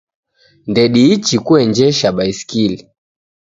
Ndediichi kuenjesha baiskili